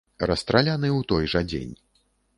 Расстраляны ў той жа дзень.